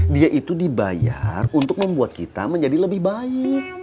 dia itu dibayar untuk membuat kita menjadi lebih baik